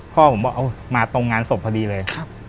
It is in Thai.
พ่อผมบอกเอามาตรงงานศพพอดีเลย